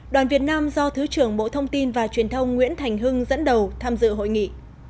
đoàn việt nam do thứ trưởng bộ thông tin và truyền thông nguyễn thành hưng dẫn đầu tham dự hội nghị